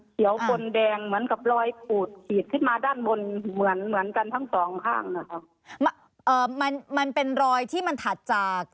บนแดงเหมือนกับรอยขูดขีดขึ้นมาด้านบนเหมือนเหมือนกันทั้งสองข้างนะคะเอ่อมันมันเป็นรอยที่มันถัดจาก